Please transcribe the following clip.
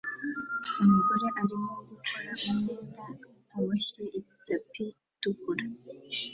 Umugore arimo gukora umwenda uboshye itapi itukura